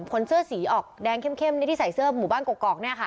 คนเสื้อสีออกแดงเข้มที่ใส่เสื้อหมู่บ้านกอก